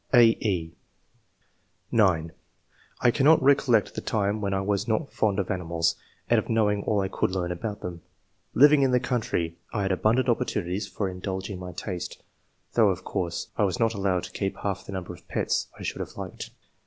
'^ (a, e) (9) "I cannot recollect the time when I was not fond of animals, and of knowing all I could learn about them. Living in the country, I had 168 ENGLISH MEN OF SCIENCE. [chap. abundant opportunities for indulging my taste, though, of course, I was not • allowed to keep half the number of ' pets ' I should have liked.